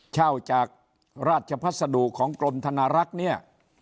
เช่าจากราชพัสดุของกรมธนารักษ์เนี่ย